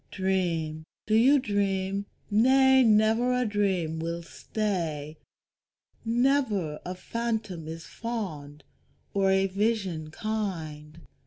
Dream, do you dream? Nay, never a dream will stay, Never a phantom is fond, or a vision kind.